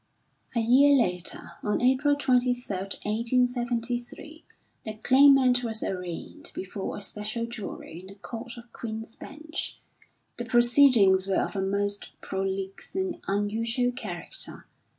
A year later, on April 23, 1873, the Claimant was arraigned before a special jury in the Court of Queen's Bench. The proceedings were of a most prolix and unusual character.